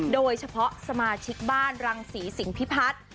โดยเฉพาะสมาชิกบ้านรังศรีสิงพิพัฒน์